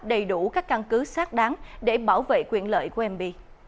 đầy đủ các căn cứ xác đáng để bảo vệ quyền lợi của mb